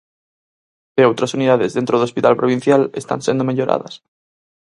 E outras unidades dentro do hospital provincial están sendo melloradas.